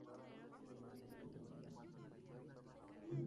La Ruta se inicia en Placilla y finaliza en Puerto de Valparaíso.